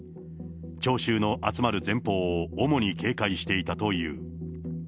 聴衆の集まる前方を主に警戒していたという。